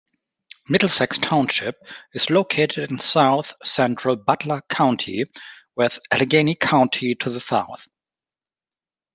Middlesex Township is located in south-central Butler County, with Allegheny County to the south.